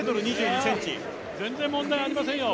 全然問題ありませんよ。